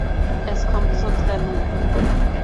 Es kommt zur Trennung.